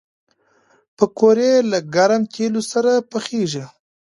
پکورې له ګرم تیلو سره پخېږي